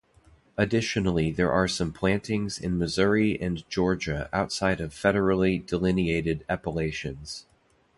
Additionally there are some plantings in Missouri and Georgia outside of federally delineated appellations.